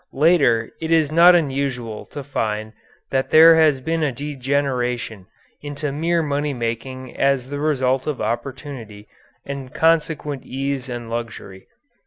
Later it is not unusual to find that there has been a degeneration into mere money making as the result of opportunity and consequent ease and luxury.